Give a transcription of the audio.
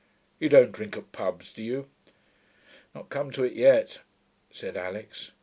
You don't drink at pubs, do you?' 'Not come to it yet,' said Alix.